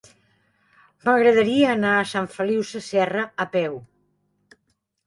M'agradaria anar a Sant Feliu Sasserra a peu.